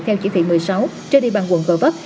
theo chỉ thị một mươi sáu trên địa bàn quận gò vấp